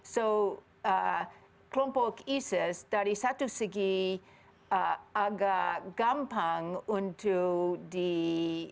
jadi kelompok isis dari satu segi agak gampang untuk diawasin